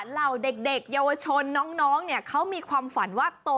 เราเด็กเนื้อน้องเขามีความฝันเติบโต